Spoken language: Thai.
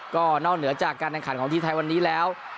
ก็นอกเหนือจากการแข่งขันของทีมไทยวันนี้แล้ว